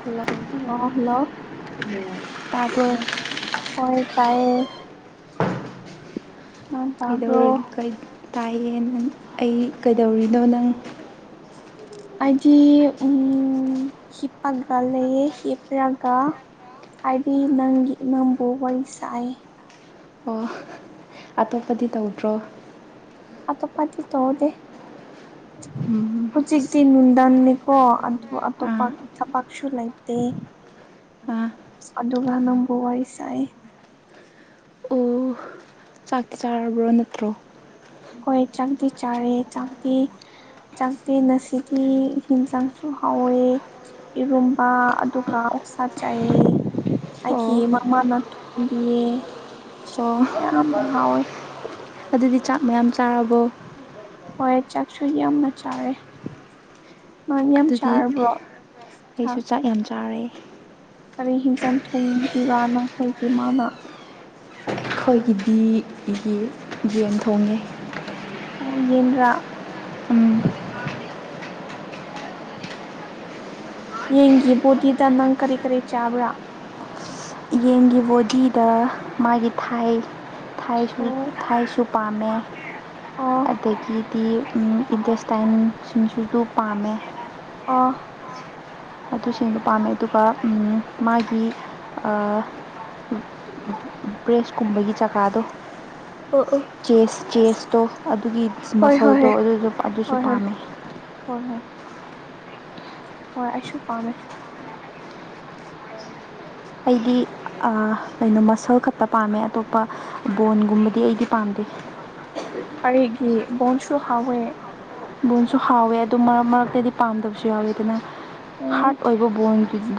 ꯈꯨ ꯑꯣ ꯍꯜꯂꯣ ꯇꯕꯜ ꯍꯣꯏ ꯇꯥꯏꯌꯦ ꯑ ꯇꯕꯣ ꯀꯩꯗꯧꯔꯒꯦ ꯀꯩ ꯇꯥꯏꯌꯦ ꯅꯪ ꯑꯩ ꯀꯩꯗꯧꯔꯤꯅꯣ ꯅꯪ ꯍꯥꯏꯗꯤ ꯎꯝ ꯍꯄꯒ ꯂꯩꯌꯦ ꯍꯤꯄꯔꯥꯒꯥ ꯍꯥꯏꯗꯤ ꯅꯪꯒꯤ ꯏꯃꯝꯕꯨ ꯋꯥꯔꯤ ꯁꯥꯏ ꯑꯣ ꯑꯇꯣꯞꯄꯗꯤ ꯇꯧꯗ꯭ꯔꯣ ꯑꯇꯣꯞ ꯄꯗꯤ ꯇꯣꯗ ꯎꯝ ꯍꯧꯖꯤꯛꯇꯤ ꯅꯨꯡꯗꯥꯟꯅꯤꯀꯣ ꯑꯗꯨ ꯑꯥ ꯑꯇꯣꯞꯄ ꯊꯕꯛꯁꯨ ꯂꯩꯇꯦ ꯑꯥ ꯑꯗꯨꯅꯝꯕ ꯋꯥꯏꯁꯥꯏ ꯑꯣ ꯆꯥꯛꯇꯤ ꯆꯥꯔꯕ꯭ꯔꯣ ꯅꯠꯇ꯭ꯔꯣ ꯍꯣꯏ ꯆꯪꯗꯦ ꯆꯥꯔꯦ ꯆꯪꯗꯦ ꯆꯥꯛꯗꯦꯁꯤꯗꯤ ꯍꯟꯖꯥꯡꯁꯨ ꯍꯥꯎꯋꯦ ꯏꯔꯨꯝꯕ ꯑꯗꯨꯒ ꯁ ꯆꯥꯏ ꯑꯣ ꯑꯩꯒꯤ ꯃꯃꯥꯅꯇꯣꯝꯕꯤꯌꯦ ꯑꯣ ꯌꯥꯝꯅ ꯍꯥꯎꯋꯦ ꯑꯗꯨꯗꯤ ꯆꯥꯛ ꯃꯌꯥꯝ ꯆꯥꯔꯕꯣ ꯍꯣꯏ ꯆꯥꯛꯁꯨ ꯌꯥꯝꯅ ꯆꯥꯔꯦ ꯃꯅꯤ ꯌꯥꯝ ꯑꯗꯨꯗꯤ ꯆꯥꯔꯔꯕꯣ ꯑꯩꯁꯨ ꯆ ꯆꯥꯛ ꯌꯥꯝ ꯆꯥꯔꯦ ꯀ ꯍꯤꯡꯒꯟ ꯊꯕꯤꯔꯅꯈꯣꯏꯒꯤ ꯃꯥꯅ ꯑꯩꯈꯣꯏꯒꯤꯗꯤꯒꯤ ꯌꯦꯟ ꯊꯣꯡꯉꯦ ꯑꯣꯌꯦꯟ꯭ꯔꯥ ꯎꯝ ꯌꯦꯡꯒꯤ ꯕꯣꯗꯤꯗ ꯅꯪ ꯀꯔꯤ ꯀꯔꯤ ꯆꯥꯕ꯭ꯔꯥ ꯌꯦꯟꯒꯤ ꯕꯣꯗꯤꯗ ꯃꯥꯒꯤ ꯊꯥꯏ ꯊꯥꯏꯁꯨ ꯑꯣ ꯊꯥꯏꯁꯨ ꯄꯥꯝꯃꯦ ꯑꯣ ꯑꯗꯒꯤꯗꯤ ꯏꯟꯗꯁꯇꯥꯏꯟꯁꯤꯡꯁꯤꯁꯨ ꯄꯥꯝꯃꯦ ꯑ ꯑꯗꯨꯁꯤꯡꯗꯨꯣ ꯄꯥꯝꯃꯦ ꯑꯗꯨꯒ ꯃꯥꯒꯤ ꯕ꯭ꯔꯦꯁꯀꯨꯝꯕꯒꯤ ꯆꯀꯥꯗꯣ ꯑꯣ ꯑꯣ ꯆꯦꯁ ꯆꯦꯁꯇꯣ ꯑꯗꯨꯒꯤ ꯍꯣꯏ ꯍꯣꯏ ꯃꯁꯜꯗꯣ ꯍꯣꯏ ꯑꯗꯨꯗ ꯑꯗꯨꯁꯨ ꯍꯣꯏ ꯍꯣꯏ ꯄꯥꯝꯃꯦ ꯍꯣꯏ ꯍꯣꯏ ꯍꯣꯏ ꯑꯁꯨ ꯄꯝꯃꯦ ꯑꯩꯗꯤ ꯑꯩꯅꯣ ꯃꯁꯜ ꯈꯛꯇ ꯄꯥꯝꯃꯦ ꯑꯇꯣꯞꯄ ꯕꯣꯟꯒꯨꯝꯕꯗꯤ ꯑꯩꯗꯤ ꯄꯥꯝꯗꯦ ꯀꯔ ꯒꯤꯦ ꯣꯟꯁꯨ ꯍꯥꯎꯋꯦ ꯕꯣꯟꯁꯨ ꯍꯥꯎꯋꯦ ꯑꯗꯨ ꯃꯔꯛ ꯃꯔꯛꯇꯗꯤ ꯄꯥꯝꯗꯕꯁꯨ ꯌꯥꯎꯋꯦ ꯑꯗꯨꯅ ꯎꯝ ꯍꯥꯔꯠ ꯑꯣꯏꯕ ꯕ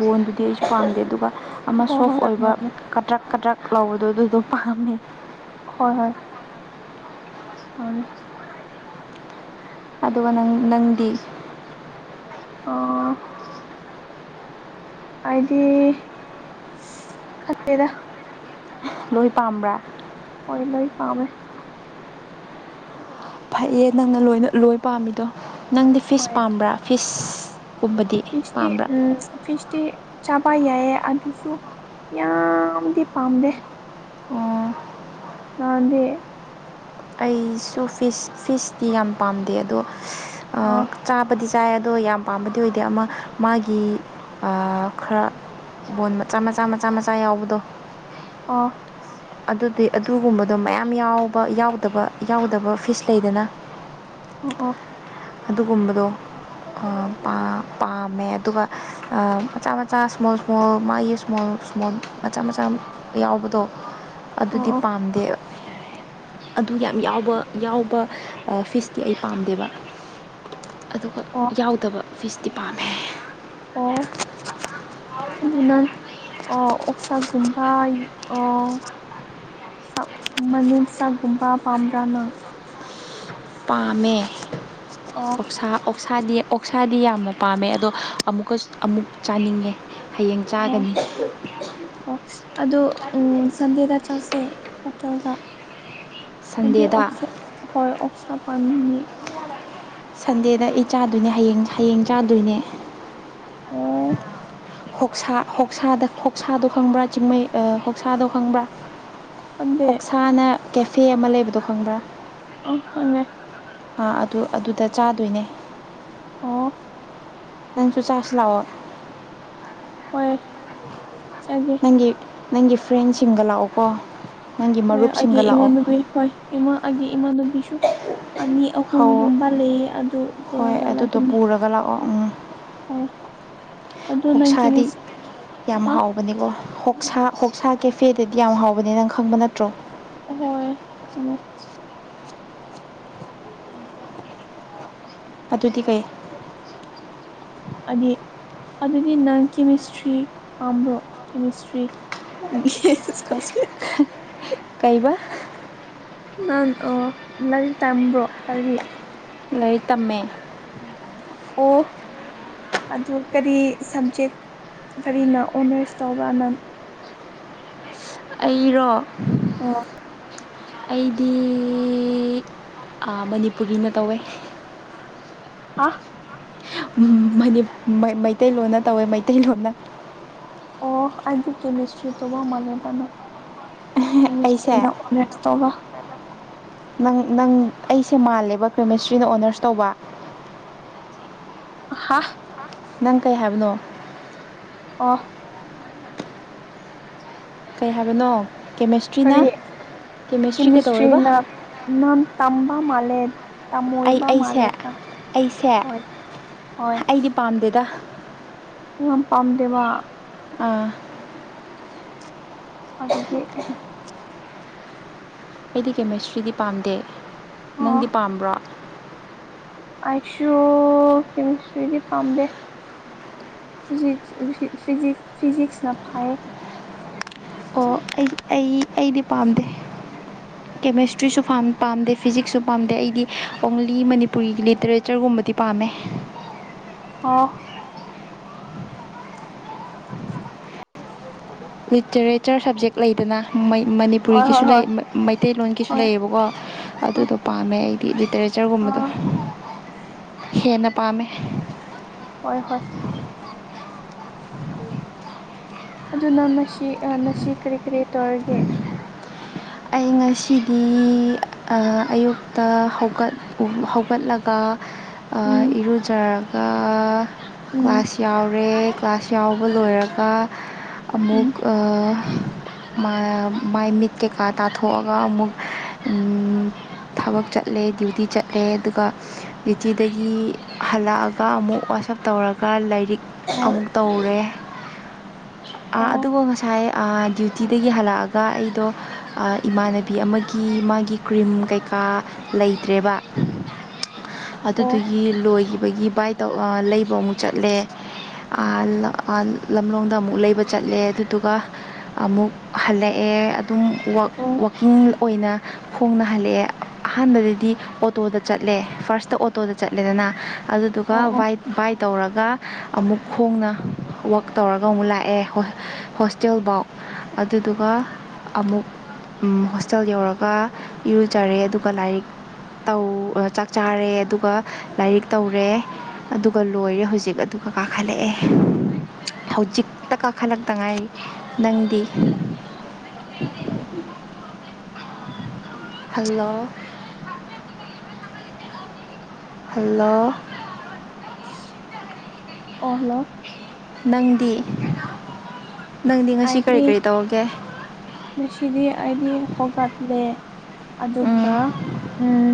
ꯕꯣꯟꯗꯨꯗꯤ ꯑꯩꯁꯨ ꯄꯥꯝꯗꯦ ꯑꯗꯨꯒ ꯑꯃ ꯍꯣꯏ ꯁꯣꯐ ꯍꯣꯏ ꯑꯣꯏꯕ ꯃꯥꯅꯦ ꯀꯗ꯭ꯔꯛ ꯀꯗ꯭ꯔꯛ ꯂꯧꯕꯗꯣ ꯑꯗꯨꯗꯣ ꯄꯥꯝꯃꯦ ꯍꯣꯏ ꯍꯣꯏ ꯑꯅꯦ ꯑꯗꯨꯒꯪ ꯅꯪꯗꯤ ꯑꯣ ꯑꯩꯗꯤ ꯈꯦꯗ ꯂꯣꯏ ꯄꯝꯕ ꯂ ꯄꯥꯃꯦ ꯐꯩꯌꯦ ꯅꯪꯅ ꯂꯣꯏꯅ ꯂꯣꯏ ꯄꯥꯝꯃꯤꯗꯣ ꯅꯪꯗꯤ ꯐꯤꯁ ꯄꯥꯝꯕ꯭ꯔꯥ ꯐꯤꯁ ꯏꯁꯦ ꯎꯝ ꯐꯤꯁꯇꯤ ꯆꯥꯕ ꯌꯥꯏꯑ ꯑꯗꯨꯁꯨ ꯌꯥꯝꯗꯤ ꯄꯥꯝꯗꯦ ꯑꯣ ꯑꯗꯦ ꯑꯩꯁꯨ ꯐꯤꯁ ꯐꯤꯁꯇꯤ ꯌꯥꯝ ꯄꯥꯝꯗꯦ ꯑꯗꯣ ꯑꯣ ꯆꯥꯗꯤ ꯆꯥꯏ ꯑꯗꯣ ꯌꯥꯝ ꯄꯥꯝꯕꯗꯤ ꯑꯣꯏꯗꯦ ꯑꯃ ꯃꯥꯒꯤ ꯈꯔ ꯕꯣꯣꯟ ꯃꯆꯥ ꯃꯆꯥ ꯃꯆꯥ ꯃꯆꯥ ꯌꯥꯎꯕꯗꯣ ꯑ ꯑꯗꯨꯗꯤ ꯑꯗꯨꯒꯨꯝꯕꯗꯣ ꯃꯌꯥꯝ ꯌꯥꯎꯕ ꯌꯥꯎꯗꯕ ꯌꯥꯎꯗꯕ ꯐꯤꯁ ꯂꯩꯗꯅ ꯑꯣ ꯑꯣ ꯑꯗꯨꯒꯨꯝꯕꯗꯣ ꯄꯥꯝꯃꯦ ꯑꯗꯨꯒ ꯃꯆꯥ ꯃꯆꯥ ꯏꯁꯃꯣꯜ ꯏꯁꯃꯣꯜ ꯃꯥꯒꯤ ꯏꯁꯃꯣꯜ ꯁꯨꯃꯣꯟ ꯃꯆꯥ ꯃꯆꯥ ꯌꯥꯎꯕꯗꯣ ꯑꯗꯨꯗꯤ ꯑꯣ ꯑꯣ ꯄꯥꯝꯗꯦꯕ ꯑꯗꯨ ꯌꯥꯝ ꯌꯥꯎꯕ ꯌꯥꯎꯕ ꯐꯤꯁꯇꯤ ꯑꯩ ꯄꯥꯝꯗꯦꯕ ꯑꯗꯨꯒ ꯑꯣ ꯌꯥꯎꯗꯕ ꯐꯤꯁ ꯗꯤꯄꯥꯔꯠꯃꯦꯦꯟ ꯑꯣ ꯑꯗꯨꯅ ꯑꯣꯁꯥꯒꯨꯝꯕꯥꯩ ꯃꯅꯨꯡ ꯆꯥꯛꯒꯨꯝꯕ ꯄꯥꯝꯕ꯭ꯔꯥꯅ ꯄꯥꯝꯃꯦ ꯄꯣꯛꯁꯥ ꯑꯣ ꯑꯣꯛꯁꯥꯗꯤ ꯑꯣꯛꯁꯥꯗꯤ ꯌꯥꯝꯅ ꯄꯥꯝꯃꯦ ꯑꯗꯣ ꯑꯃꯨꯛꯀ ꯑꯃꯨꯛ ꯆꯥꯅꯤꯡꯉꯦ ꯍꯌꯦꯡ ꯑꯣ ꯆꯥꯒꯅꯤ ꯑꯣ ꯑꯗꯣ ꯎ ꯁꯟꯗꯦꯗ ꯆꯠꯁꯦ ꯍꯣꯇꯦꯜꯗ ꯍꯥꯏꯗꯤ ꯁꯟꯗꯦꯗ ꯑꯣ ꯍ ꯑꯣꯁꯥ ꯄꯥꯥꯟꯅꯤ ꯁꯟꯗꯦꯗ ꯑꯩ ꯆꯥꯗꯣꯏꯅꯦ ꯍꯌꯦꯡ ꯍꯌꯦꯡ ꯆꯥꯗꯣꯏꯅꯦ ꯑꯣ ꯁ ꯍꯁꯗ ꯍꯁꯥꯗꯣ ꯈꯪꯕ꯭ꯔꯥ ꯆꯤꯡꯃꯩ ꯍꯣꯛꯁꯥꯗꯣ ꯈꯪꯕ꯭ꯔꯥ ꯈꯟꯗꯦ ꯑꯣꯛꯁꯥꯅ ꯀꯦꯐꯦ ꯑꯃ ꯂꯩꯕꯗꯣ ꯈꯪꯕ꯭ꯔꯥ ꯑꯣ ꯍꯉꯦ ꯑꯗꯨ ꯑꯗꯨꯗ ꯆꯥꯗꯣꯏꯅꯦ ꯑꯣ ꯑꯁꯨ ꯆꯥꯁ ꯂꯑꯣꯑꯣ ꯑꯣꯏꯣꯏ ꯅꯪꯒꯤ ꯅꯪꯒꯤ ꯐ꯭ꯔꯦꯟꯁꯤꯡꯒ ꯂꯥꯛꯑꯣꯀꯣ ꯅꯪꯒꯤ ꯍꯣꯏ ꯑꯒꯦ ꯃꯔꯨꯞꯁꯤꯡꯒ ꯂꯥꯛꯑꯣ ꯏꯃꯥꯕꯤ ꯍꯣꯏ ꯏꯃꯥ ꯑꯒꯦ ꯏꯃꯥꯅꯕꯤꯁꯨ ꯑꯅꯤ ꯍꯧ ꯑꯍꯨꯝꯒꯨꯝꯕ ꯂꯩꯌꯦ ꯑꯗꯨ ꯍꯣꯏ ꯑꯗꯨꯗꯣ ꯄꯨꯔꯒꯠꯂꯒꯅꯤ ꯄꯨꯔꯒ ꯍꯣꯏ ꯑꯗꯨ ꯅꯪ ꯍꯣꯛꯁꯥꯗꯤ ꯀꯦꯃꯤꯁ ꯌꯥꯝ ꯍꯥ ꯍꯥꯎꯕꯅꯤꯀꯣꯁ ꯍꯁ ꯀꯦꯐꯦꯗꯗꯤ ꯌꯥꯝ ꯍꯥꯎꯕꯅꯤ ꯅꯪ ꯈꯪꯕ ꯅꯠꯇꯦ ꯍꯣꯏ ꯑꯗꯨ ꯎꯝꯝ ꯑꯗꯨ ꯑꯗꯨꯗꯤꯤ ꯀꯩ ꯑꯅꯤ ꯑꯗꯨꯗꯤ ꯅꯪ ꯀꯦꯃꯤꯁꯇ꯭ꯔꯤ ꯄꯥꯝꯕ꯭ꯔꯣ ꯀꯦꯃꯤꯁꯇ꯭ꯔꯤ ꯆꯁꯦ ꯀꯥꯏꯕ ꯅꯥꯟ ꯑ ꯂꯔꯤ ꯇꯝꯕ꯭ꯔꯣ ꯂꯔꯤꯔꯤ ꯂꯩꯥꯏꯔꯤ ꯇꯝꯃꯦ ꯑꯣ ꯑꯗꯨ ꯀꯔꯤ ꯁꯕꯖꯦꯛ ꯀꯔꯤꯅ ꯑꯣꯅꯔꯁ ꯇꯧꯕꯅ ꯑꯩꯔꯣ ꯑꯣ ꯑꯩꯗꯤ ꯃꯅꯤꯄꯨꯔꯤꯅ ꯇꯧꯋꯦ ꯑ ꯃꯩꯇꯩꯂꯣꯟꯅ ꯇꯧꯋꯦ ꯃꯩꯇꯩꯂꯣꯟꯅ ꯑꯣ ꯑꯩꯗꯤ ꯀꯦꯃꯤꯁꯇ꯭ꯔꯤ ꯆꯒ ꯃꯥꯅꯦ ꯇꯅ ꯑꯩꯁꯦ ꯃꯤꯅ ꯑꯣꯅꯁ ꯇꯧꯕ ꯅꯪ ꯅꯪ ꯑꯩꯁꯦ ꯃꯥꯜꯂꯦꯕ ꯀꯦꯃꯤꯁꯇ꯭ꯔꯤꯅ ꯑꯣꯅꯔꯁ ꯇꯧꯕ ꯍ [unintelligible] [inaudible] ꯅꯪ ꯀꯩ ꯍꯥꯏꯕꯅꯣ ꯑꯣꯐ ꯀꯩ ꯍꯥꯏꯕꯅꯣ ꯀꯔꯤ ꯀꯦꯃꯦꯁꯇ꯭ꯔꯤꯅ ꯀꯦꯃꯦꯁꯇ꯭ꯔꯤ ꯀꯩꯗꯧꯋꯦꯕ ꯀꯦꯃꯤꯁꯇꯔꯤꯅ ꯅꯥꯟ ꯇꯝꯕ ꯃꯥꯂꯦ ꯇ ꯑꯩ ꯃꯣꯏꯔꯤꯕ ꯑꯩꯁꯦ ꯃꯜꯦ ꯆ ꯑꯩꯁꯦ ꯍ ꯍ ꯑꯩꯗꯤ ꯄꯥꯝꯗꯦꯗ ꯎ ꯌꯥꯝ ꯄꯥꯝꯗꯦꯕ ꯑꯥ ꯑꯗꯨꯗꯤ ꯑꯩꯗꯤ ꯀꯦꯃꯦꯁꯇ꯭ꯔꯤꯗꯤ ꯄꯥꯝꯗꯦ ꯅꯪꯗꯤ ꯄꯥꯝꯕ꯭ꯔꯣ ꯑꯥꯏꯁꯨꯣ ꯀꯦꯃꯤꯁꯇ꯭ꯔꯤꯗꯤ ꯄꯥꯝꯗꯦ ꯐꯁ ꯐꯤꯖꯤꯛꯁꯅ ꯐꯥꯏ ꯑꯣ ꯑꯩ ꯑꯩ ꯑꯩꯗꯤ ꯄꯥꯝꯗꯦ ꯀꯦꯃꯦꯁꯇ꯭ꯔꯤꯁꯨ ꯄꯥꯝꯗꯦ ꯐꯤꯖꯤꯛꯁꯁꯨ ꯄꯥꯝꯗꯦ ꯑꯩꯗꯤ ꯑꯣꯡꯂꯤ ꯃꯅꯤꯄꯨꯒꯤ ꯂꯤꯇꯔꯦꯆꯔꯒꯨꯝꯕ ꯝꯕꯗꯤ ꯄꯥꯝꯃꯦ ꯑꯣ ꯂꯤꯇꯔꯦꯆꯔ ꯁꯕꯖꯦꯛ ꯂꯩꯗꯅꯩ ꯍꯣꯏ ꯍꯣꯏ ꯃꯅꯤꯄꯨꯔꯤꯒꯤꯁꯨ ꯂꯩ ꯍꯣꯏ ꯃꯩꯇꯩꯂꯣꯟꯒꯤꯁꯨ ꯍꯣꯏ ꯂꯩꯌꯦꯕꯀꯣ ꯍꯣꯏ ꯑꯗꯨꯗꯣ ꯄꯥꯝꯃꯦ ꯑꯩ ꯗꯤ ꯂꯤꯇꯔꯦꯆꯔꯒꯨꯝꯕꯗꯣ ꯑꯥ ꯍꯦꯟꯅ ꯄꯥꯝꯃꯦ ꯍꯣꯏ ꯍꯣꯏ ꯑꯗꯨꯅ ꯉꯁꯤ ꯉꯁꯤ ꯀꯔꯤ ꯀꯔꯤ ꯇꯧꯔꯒꯦ ꯑꯩ ꯉꯁꯤꯗꯤ ꯑꯌꯨꯛꯇ ꯍꯧꯠ ꯍꯧꯒꯠꯂꯒ ꯎꯝ ꯏꯔꯨꯖꯔꯒ ꯎꯝ ꯀ꯭ꯂꯥꯁ ꯌꯥꯎꯔꯦ ꯀ꯭ꯂꯥꯁ ꯌꯥꯎꯕ ꯂꯣꯏꯔꯒ ꯎꯝ ꯑꯃꯨꯛ ꯃꯥꯏ ꯃꯤꯠ ꯀꯩꯀꯥ ꯇꯥꯊꯣꯛꯑꯒ ꯑꯃꯨꯛ ꯊꯕꯛ ꯆꯠꯂꯦ ꯗ꯭ꯌꯨꯇꯤ ꯆꯠꯂꯦ ꯑꯗꯨꯒ ꯗ꯭ꯌꯨꯇꯤꯗꯒꯤ ꯍꯜꯂꯛꯑꯒ ꯑꯃꯨꯛ ꯋꯥꯆꯞ ꯇꯧꯔꯒ ꯂꯥꯏꯔꯤꯛ ꯑꯣ ꯑꯃꯨꯛ ꯇꯧꯔꯦ ꯑꯣ ꯑꯗꯨꯕꯨ ꯉꯁꯥꯏ ꯗ꯭ꯌꯨꯇꯤꯗꯒꯤ ꯍꯜꯂꯛꯑꯒ ꯑꯩꯗꯣ ꯏꯃꯥꯟꯅꯕꯤ ꯑꯃꯒꯤ ꯃꯥꯒꯤ ꯀ꯭ꯔꯤꯝ ꯀꯩꯀꯥ ꯂꯩꯇ꯭ꯔꯦꯕ ꯑꯣ ꯑꯗꯨꯗꯨꯒꯤ ꯂꯣꯏꯈꯤꯕꯒꯤ ꯕꯥꯏ ꯇꯧ ꯂꯩꯕ ꯑꯃꯨꯛ ꯆꯠꯂꯦ ꯂꯝꯂꯣꯡꯗ ꯑꯃꯨꯛ ꯂꯩꯕ ꯆꯠꯂꯦ ꯑꯗꯨꯗꯨꯒ ꯑꯃꯨꯛ ꯍꯜꯂꯛꯑꯦ ꯑꯗꯨꯝ ꯑꯣ ꯋꯥꯛꯀꯤꯡ ꯑꯣꯏꯅ ꯍꯣꯡꯅ ꯍꯜꯂꯛꯑꯦ ꯑꯍꯥꯟꯕꯗꯗꯤ ꯑꯣꯇꯣꯗ ꯆꯠꯂꯦ ꯐꯥꯔꯁꯇ ꯑꯣꯇꯣꯗ ꯆꯠꯂꯦꯗꯅ ꯑꯣ ꯑꯗꯨꯗꯨꯒ ꯑꯣ ꯋꯥꯠ ꯋꯥꯏꯠ ꯇꯧꯔꯒ ꯑꯃꯨꯛ ꯈꯣꯡꯅ ꯋꯛ ꯇꯧꯔꯒ ꯑꯃꯨꯛ ꯂꯥꯛꯑꯦ ꯍꯣꯁꯇꯦꯜꯐꯥꯎ ꯑꯗꯨꯗꯨꯒ ꯑꯃꯨꯛ ꯍꯣꯁꯇꯦꯜ ꯌꯧꯔꯒ ꯏꯔꯨꯖꯔꯦ ꯑꯗꯨꯒ ꯂꯥꯏꯔꯤꯛ ꯧ ꯆꯥꯛ ꯆꯥꯔꯦ ꯑꯗꯨꯒ ꯂꯥꯏꯔꯤꯛ ꯇꯧꯔꯦ ꯑꯗꯨꯒ ꯂꯣꯏꯔꯦ ꯍꯧꯖꯤꯛ ꯑꯗꯨꯒ ꯀꯥꯈꯠꯂꯛꯑꯦ ꯍꯧꯖꯤꯛꯇ ꯀꯥꯈꯠꯂꯛꯇꯉꯥꯏ ꯅꯪꯗꯤ ꯎ [inaudible] [unintelligible] ꯍꯜꯂꯣ ꯍꯜꯂꯣ ꯑꯍꯂꯣ ꯅꯪꯗꯤ ꯅꯪꯗꯤ ꯉꯁꯤ ꯀꯔꯤ ꯑꯩꯗꯤ ꯀꯔꯤ ꯇꯧꯔꯒꯦ ꯉꯁꯤꯗꯤ ꯑꯩꯗꯤ ꯍꯒꯠꯂꯦ ꯑꯗꯨꯒ ꯎꯝ ꯎꯝ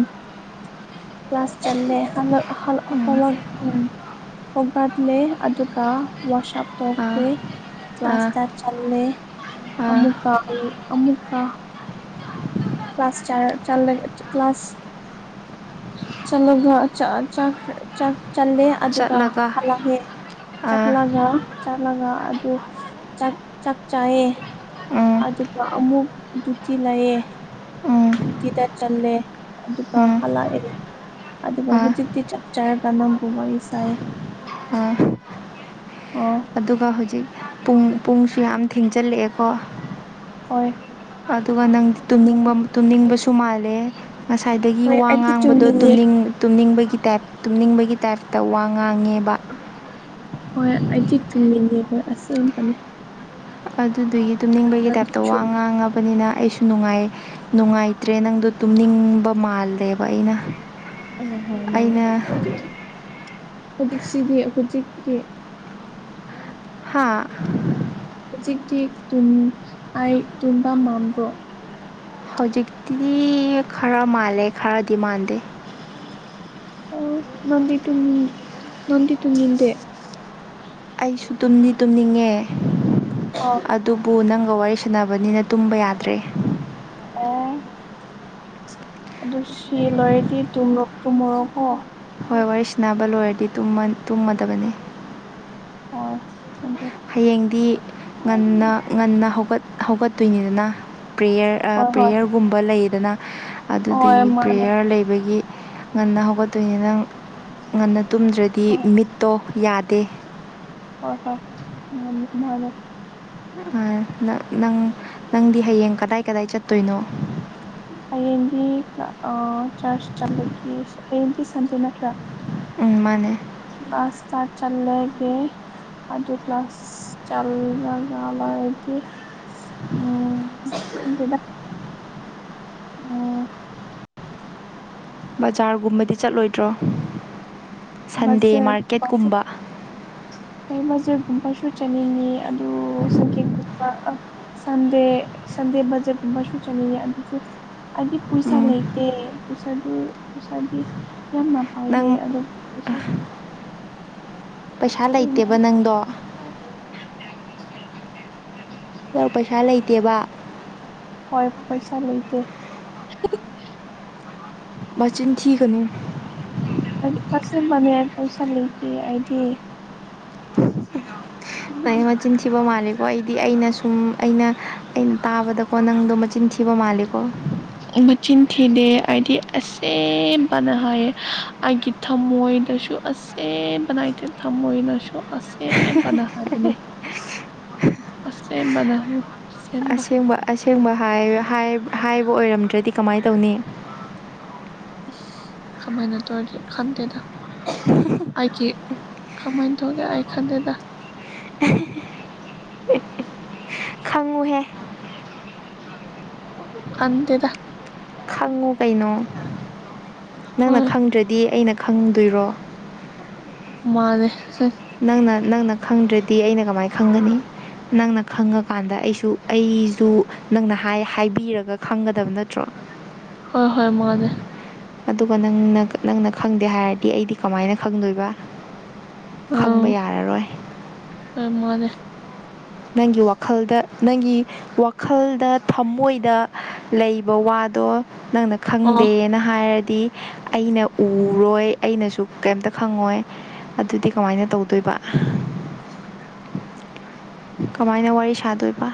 ꯀ꯭ꯂꯥꯁ ꯆꯠꯂꯦ ꯍꯂꯛ ꯍꯂꯛ ꯎꯝ ꯍꯂꯛ ꯎꯝ ꯍꯒꯠꯂꯦ ꯑꯗꯨꯒ ꯋꯥꯁ ꯑꯞ ꯑꯥ ꯇꯧꯈ꯭ꯔꯦ ꯀ꯭ꯂꯥꯁ ꯑꯥ ꯇ ꯆꯜꯂꯦ ꯑꯥ ꯑꯃꯨꯀ ꯑꯃꯨ ꯑꯃꯨꯀ ꯀ꯭ꯂꯥꯁ ꯆꯔ ꯆꯂꯒ ꯀ꯭ꯂꯥꯁ [unintelligible] ꯆꯂꯣꯒ ꯆ ꯆ [unintelligible] ꯆ ꯆꯜꯂꯦ ꯑꯗꯨꯒ ꯆꯠꯂꯒ ꯍꯜꯂꯛꯑꯦ ꯑꯥ ꯆꯠꯂꯒ ꯆꯠꯂꯒ ꯑꯗꯨ ꯆꯥꯛ ꯆꯥꯛ ꯆꯥꯌꯦ ꯎꯝ ꯑꯗꯨꯒ ꯑꯃꯨꯛ ꯇꯨꯇꯤ ꯂꯩꯌꯦ ꯎꯝ ꯅꯨꯡꯇꯤꯗ ꯆꯜꯂꯦ ꯑꯗꯨꯒ ꯎꯝ ꯍꯜꯂꯛꯑꯦ ꯑꯗꯨꯕ ꯑꯥ ꯍꯧꯖꯤꯛꯇꯤ ꯆꯞ ꯆꯔꯒ ꯅꯪꯕꯨ ꯋꯔꯤ ꯁꯥꯏꯌꯦ ꯑꯥ ꯑꯣ ꯑꯗꯨꯒ ꯍꯧꯖꯤꯛ ꯄꯨꯡ ꯄꯨꯡꯁꯨ ꯌꯥꯝ ꯊꯦꯡꯖꯜꯂꯛꯑꯦꯀꯣ ꯍꯣꯏ ꯑꯗꯨꯒ ꯅꯪꯗꯤ ꯇꯨꯝꯅꯤꯡꯕ ꯇꯨꯝꯅꯤꯡꯕꯁꯨ ꯃꯥꯜꯂꯦ ꯉꯁꯥꯏꯗꯒꯤ ꯍꯣꯏ ꯋꯥ ꯑꯩꯗꯤ ꯉꯥꯡꯕꯗꯣ ꯆꯨꯝꯃꯤꯅꯦ ꯇꯨꯅꯤꯡ ꯇꯨꯝꯅꯤꯡꯕꯒꯤ ꯇꯥꯏꯞ ꯇꯨꯝꯅꯤꯡꯕꯒꯤ ꯇꯥꯏꯞꯇ ꯋꯥ ꯉꯥꯡꯉꯦꯕ ꯍꯣꯏ ꯑꯩꯗꯤ ꯇꯨꯝꯅꯤꯡ ꯉꯦꯕ ꯑꯁꯦꯡꯕ ꯅꯦ ꯑꯗꯨꯗꯨꯒꯤ ꯇꯨꯝꯅꯤꯡꯕꯒꯤ ꯇꯥꯏꯞꯇ ꯋꯥ ꯆꯨꯝꯃꯦ ꯉꯥꯡꯉꯕꯅꯤꯅ ꯑꯩꯁꯨ ꯅꯨꯡꯉꯥꯏ ꯅꯨꯡꯉꯥꯏꯇ꯭ꯔꯦ ꯅꯪꯗꯣ ꯇꯨꯝꯅꯤꯡꯕ ꯃꯥꯜꯂꯦꯕ ꯑꯩꯅ ꯑꯣ [unintelligible] ꯍ ꯃꯥ ꯑꯩꯅ ꯑꯗꯨ ꯍꯧꯖꯤꯛꯁꯤꯒꯤ ꯍꯧꯖꯤꯛ ꯍꯥꯥ ꯍꯧꯖꯤꯛꯇꯤ ꯇꯨꯝ ꯑꯩ ꯇꯨꯝꯕ ꯃꯥꯝꯕ꯭ꯔꯣ ꯍꯧꯖꯤꯛꯇꯤꯗꯤ [unintelligible] ꯈꯔ ꯃꯥꯜꯂꯦ ꯈꯔꯗꯤ ꯃꯥꯟꯗꯦ ꯑꯣ ꯅꯟꯗꯤ ꯇꯨꯝꯅꯤꯡ ꯅꯪꯗꯤ ꯇꯨꯝꯅꯤꯡꯗꯦ ꯑꯩꯁꯨ ꯇꯨꯝꯗꯤ ꯇꯨꯝꯅꯤꯡꯉꯦ ꯑꯣ ꯑꯗꯨꯕꯨ ꯅꯪ ꯑꯗꯨꯒ ꯋꯥꯔꯤ ꯁꯥꯟꯅꯕꯅꯤꯅ ꯇꯨꯝꯕ ꯌꯥꯗ꯭ꯔꯦ ꯑꯣ [unintelligible] ꯑꯗꯨ ꯁꯤ ꯂꯣꯏꯔꯗꯤ ꯇꯨꯝꯔꯣ ꯇꯨꯝꯃꯨꯔꯣ ꯀꯣ ꯍꯣꯏ ꯋꯥꯔꯤꯁꯤꯅꯕ ꯂꯣꯏꯔꯗꯤ ꯇꯨꯝꯃ ꯇꯨꯝꯃꯗꯕꯅꯦ ꯍꯣꯏ [unintelligible] ꯍꯌꯦꯡꯗꯤ ꯉꯟꯅ ꯉꯟꯅ ꯍꯧꯒꯠ ꯍꯧꯒꯠꯇꯣꯏꯅꯤꯗꯅ ꯄ꯭ꯔꯦꯌꯔ ꯑ ꯍꯣꯏ ꯍꯣꯏ ꯄ꯭ꯔꯦꯌꯔꯒꯨꯝꯕ ꯂꯩꯗꯅ ꯍꯣꯏ ꯑꯗꯨꯗꯨꯒꯤ ꯃꯥꯅꯦ ꯄ꯭ꯔꯦꯌꯔ ꯂꯩꯕꯒꯤ ꯉꯟꯅ ꯍꯧꯒꯠꯇꯣꯏꯅꯤ ꯅꯪ ꯉꯟꯅ ꯇꯨꯝꯗ꯭ꯔꯗꯤ ꯍꯣꯏ ꯃꯤꯠꯇꯣ ꯌꯥꯗꯦ ꯍꯣꯏ ꯍꯣꯏ ꯉꯃꯤ ꯃꯥꯅꯦ [unintelligible] ꯎ ꯅꯪ ꯅꯪ ꯅꯪꯗꯤ ꯍꯌꯦꯡ ꯀꯗꯥꯏ ꯀꯗꯥꯏꯗ ꯆꯠꯇꯣꯏꯅꯣ ꯍꯌꯦꯡꯒꯤ [unintelligible] ꯆꯔꯁ ꯆꯠꯂꯒꯦ ꯍꯌꯦꯡꯗꯤ ꯁꯟꯗꯦ ꯅꯠꯇ꯭ꯔꯥ ꯎ ꯃꯥꯅꯦ ꯆꯔꯁ ꯆꯜꯂꯦꯒꯦ ꯑꯗꯨ ꯀ꯭ꯂꯥꯁ ꯆꯂꯒ ꯑꯂ [unintelligible] ꯑꯗꯤ ꯎꯝ ꯈꯪꯗꯦꯗꯥ ꯎ [unintelligible] ꯕꯖꯥꯔꯒꯨꯝꯕꯗꯤ ꯆꯠꯂꯣꯏꯗ꯭ꯔꯣ ꯁꯟꯗꯦ ꯕꯖꯔꯒꯨꯝꯕꯁꯨ ꯃꯥꯔꯀꯦꯠꯀꯨꯝꯕ ꯍꯣꯏ ꯕꯖꯔꯒꯨꯝꯕꯁꯨ ꯆꯠꯅꯤꯡꯉ ꯑꯗꯨ ꯁꯪꯒꯦꯠ [unintelligible] ꯑ ꯁꯟꯗꯦ ꯁꯟꯗꯦ ꯕꯖꯠꯀꯨꯝꯕꯁꯨ ꯆꯪꯅꯤꯡꯉꯦ ꯑꯗꯨꯁꯨ ꯍꯥꯏꯗꯤ ꯄꯩꯁꯥ ꯎꯝ ꯂꯩꯇꯦ ꯄꯩꯁꯥꯗꯨ ꯄꯩꯁꯥꯗꯤ ꯌꯥꯝꯅ ꯄꯥꯏꯗꯦ ꯅꯪ ꯑꯗꯨ ꯎ [unintelligible] ꯄꯩꯁꯥ ꯂꯩꯇꯦꯕ ꯅꯪꯗꯣ ꯄꯩꯁꯥ ꯂꯩꯇꯦꯕ ꯍꯣꯏ ꯄꯩꯁꯥ ꯂꯩꯇ ꯃꯆꯤꯟ ꯊꯤꯒꯅꯨ ꯑꯩꯗꯤ ꯑꯆꯕꯅꯦ ꯑꯩ ꯄꯩꯁꯥ ꯂꯩꯇꯦ ꯑꯩꯗꯤ ꯅꯪ ꯃꯆꯤꯟ ꯊꯤꯕ ꯃꯥꯜꯂꯤꯀꯣ ꯑꯩꯗꯤ ꯑꯩꯅ ꯁꯨꯝ ꯑꯩꯅ ꯑꯩꯅ ꯇꯥꯕꯗꯀꯣ ꯅꯪꯗꯣ ꯃꯆꯤꯟꯤ ꯁꯤꯕ ꯃꯥꯂꯤꯀꯣ ꯃꯆꯤꯟꯈꯤꯗꯦ ꯑꯩꯗꯤ ꯑꯁꯦꯕꯅ ꯍꯥꯏꯥꯏ ꯑꯩꯒꯤ ꯊꯝꯃꯣꯏ ꯅꯁꯨ ꯑꯁꯦ ꯅꯥꯏꯇꯦ ꯊꯃꯣ ꯅꯁꯨꯣ ꯑꯁ ꯕꯅ ꯈꯥꯏ ꯄꯅꯤ ꯑꯁꯦ ꯅꯍꯣ ꯑꯁꯦꯡꯕꯁ ꯑꯁꯦꯡꯕ ꯍꯥꯏꯕ ꯑꯣꯏꯔꯝꯗ꯭ꯔꯗꯤ ꯀꯃꯥꯏꯅ ꯇꯧꯅꯤ ꯑꯁ ꯀꯃꯥꯏꯅ ꯇꯧꯔꯤꯒꯦ ꯈꯪꯗꯦꯗ ꯑꯩꯒꯤ ꯀꯃꯥꯏꯅ ꯊꯣꯛꯒꯦ ꯑꯩ ꯈꯟꯗꯦꯗ ꯃꯨꯍꯦ [inaudible] ꯑꯗꯦꯗ ꯈꯪꯉꯨ ꯀꯩꯅꯣ ꯅꯪꯅ ꯍꯣꯏ ꯈꯪꯗ꯭ꯔꯗꯤ ꯑꯩꯅ ꯈꯪꯗꯣꯏꯔꯣ ꯃꯥꯅꯦ ꯅꯪꯅ ꯅꯪꯅ ꯈꯪꯗ꯭ꯔꯗꯤ ꯑꯩꯅ ꯀꯃꯥꯏꯅ ꯈꯪꯒꯅꯤ ꯅꯪꯅ ꯈꯪꯉꯀꯥꯟꯗ ꯑꯩꯁꯨ ꯑꯩꯁꯨ ꯅꯪꯅ ꯍꯥꯏꯕꯤꯔꯒ ꯈꯪꯒꯗꯕ ꯅꯠꯇ꯭ꯔꯣ ꯍꯣꯏ ꯍꯣꯏ ꯃꯥꯉꯗ ꯑꯗꯨꯒ ꯅꯪꯅ ꯅꯪꯅ ꯈꯪꯗꯦ ꯍꯥꯏꯔꯗꯤ ꯑꯩꯗꯤ ꯀꯃꯥꯏꯅ ꯈꯪꯗꯣꯏꯕ ꯑꯥ ꯈꯪꯕ ꯌꯥꯔꯔꯣꯏ ꯍꯣꯏ ꯃꯥꯅꯦ ꯅꯪꯒꯤ ꯋꯥꯈꯜꯗ ꯅꯪꯒꯤ ꯋꯥꯈꯜꯗ ꯊꯃꯣꯏꯗ ꯂꯩꯕ ꯋꯥꯗꯣ ꯅꯪꯅ ꯑꯣ ꯈꯪꯗꯦꯅ ꯍꯥꯏꯔꯗꯤ ꯑꯩꯅ ꯎꯔꯣꯏ ꯑꯩꯅꯁꯨ ꯀꯩꯝꯇ ꯈꯪꯉꯣꯏ ꯑꯗꯨꯗꯤ ꯀꯃꯥꯏꯅ ꯇꯧꯗꯣꯏꯕ [inaudible] ꯀꯃꯥꯏꯅ ꯋꯥꯔꯤ ꯁꯥꯗꯣꯏꯕ